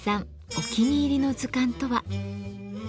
お気に入りの図鑑とは？